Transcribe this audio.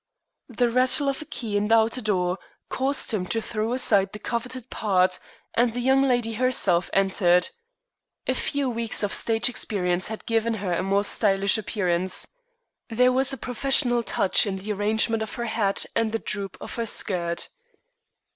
The rattle of a key in the outer door caused him to throw aside the coveted "part," and the young lady herself entered. A few weeks of stage experience had given her a more stylish appearance. There was a "professional" touch in the arrangement of her hat and the droop of her skirt.